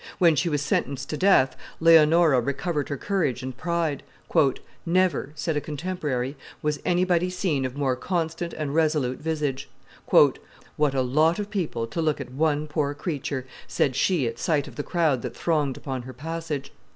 When she was sentenced to death, Leonora recovered her courage and pride. "Never," said a contemporary, "was anybody seen of more constant and resolute visage." "What a lot of people to look at one poor creature!" said she at sight of the crowd that thronged upon her passage.